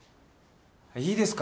いいですか？